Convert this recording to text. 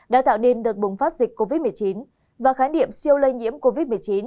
đã tạo nên đợt bùng phát dịch covid một mươi chín và khái niệm siêu lây nhiễm covid một mươi chín